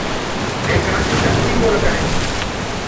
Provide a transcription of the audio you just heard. وي ڪآ بي گلتيٚ ڪونآ ڪرينٚ